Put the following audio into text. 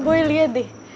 boy liat deh